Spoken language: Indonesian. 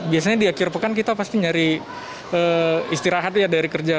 biasanya di akhir pekan kita pasti nyari istirahat ya dari kerja